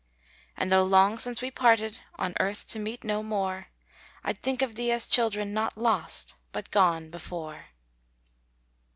And though long since we parted, On earth to meet no more; I'd think of thee as children "Not lost, but gone before."